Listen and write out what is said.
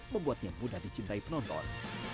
membuatnya mudah dicintai penonton